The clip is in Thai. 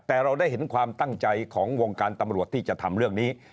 แต่เราได้เห็นความตั้งใจของวงการตำรวจที่จะทำเรื่องนี้